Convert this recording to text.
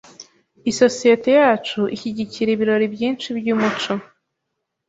Isosiyete yacu ishyigikira ibirori byinshi byumuco .